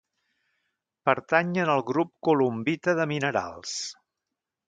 Pertanyen al grup columbita de minerals.